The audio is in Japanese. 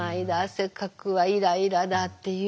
汗かくわイライラだっていう。